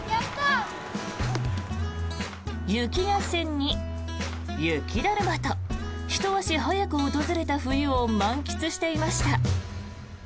雪合戦に雪だるまとひと足早く訪れた冬を満喫していました。